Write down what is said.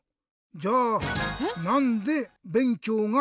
じゃあえ？